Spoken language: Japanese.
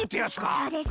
そうです。